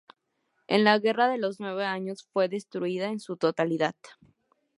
En la Guerra de los nueve años fue destruida en su totalidad.